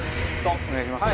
お願いします。